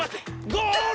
ゴール！